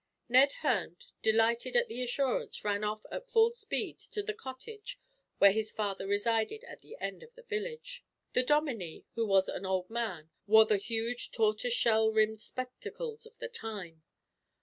Ned Hearne, delighted at the assurance, ran off at full speed to the cottage where his father resided, at the end of the village. The dominie, who was an old man, wore the huge tortoise shell rimmed spectacles of the time.